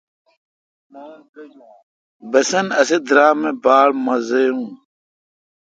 بسن اسی درام می باڑ مزہ یو۔